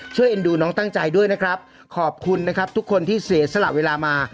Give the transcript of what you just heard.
เอ็นดูน้องตั้งใจด้วยนะครับขอบคุณนะครับทุกคนที่เสียสละเวลามา